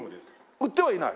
売ってはいない？